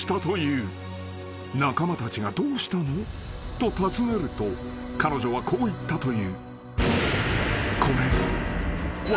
［仲間たちが「どうしたの？」と尋ねると彼女はこう言ったという］